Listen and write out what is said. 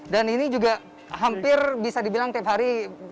dan ini juga hampir bisa dibilang tiap hari